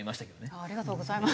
ありがとうございます。